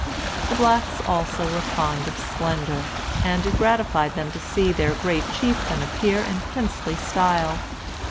The blacks also were fond of splendor, and it gratified them to see their great chieftain appear in princely style.